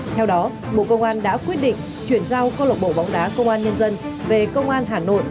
theo đó bộ công an đã quyết định chuyển giao công an nhân dân về công an hà nội